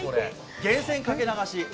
源泉掛け流し。